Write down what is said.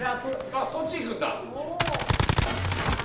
あっそっち行くんだ？